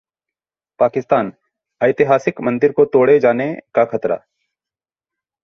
पाकिस्तान: ऐतिहासिक मंदिर को तोड़े जाने का खतरा